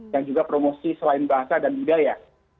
yang juga promosi selain bahasa dan budaya